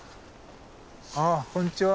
あこんにちは。